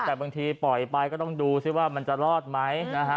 แต่บางทีปล่อยไปก็ต้องดูซิว่ามันจะรอดไหมนะฮะ